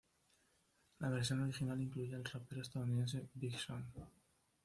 La versión original incluye al rapero estadounidense Big Sean.